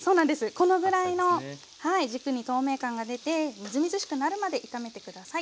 このぐらいの軸に透明感が出てみずみずしくなるまで炒めて下さい。